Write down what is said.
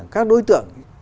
các đối tượng